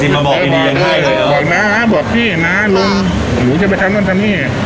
จริงมาบอกอินดียังได้เลยบอกนะบอกพี่นะลุงหนูจะไปทำนั่นทำนี่